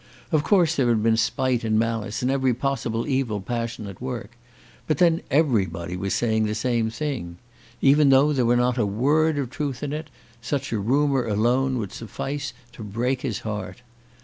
Of course there had been spite and malice and every possible evil passion at work. But then everybody was saying the same thing. Even though there were not a word of truth in it, such a rumour alone would suffice to break his heart.